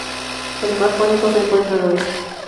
El mar Jónico se encuentra al oeste.